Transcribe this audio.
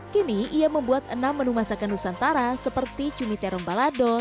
kini ia membuat enam menu masakan nusantara seperti cumi terong balado